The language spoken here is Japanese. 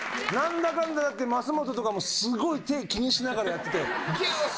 だって増本とかもすごい手気にしながらやってて。